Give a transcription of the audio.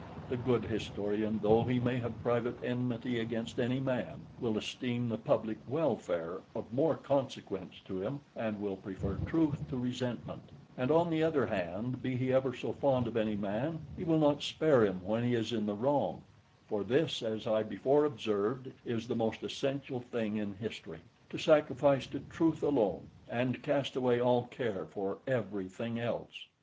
The good historian, though he may have private enmity against any man, will esteem the public welfare of more consequence to him, and will prefer truth to resentment; and, on the other hand, be he ever so fond of any man, will not spare him when he is in the wrong; for this, as I before observed, is the most essential thing in history, to sacrifice to truth alone, and cast away all care for everything else.